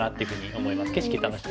景色楽しみです。